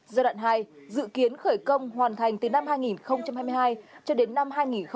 giai đoạn hai dự kiến khởi công hoàn thành từ năm hai nghìn hai mươi hai cho đến năm hai nghìn hai mươi năm